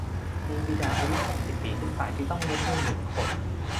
มีบิดาอายุ หกสิบ ปีขึ้นไป ที่ต้องเลี้ยงดู หนึ่ง คน